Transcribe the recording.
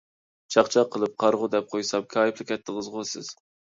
چاقچاق قىلىپ «قارىغۇ» دەپ قويسام، كايىپلا كەتتىڭىزغۇ سىز.